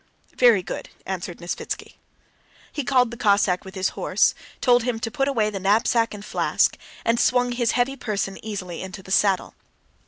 "Very good," answered Nesvítski. He called the Cossack with his horse, told him to put away the knapsack and flask, and swung his heavy person easily into the saddle.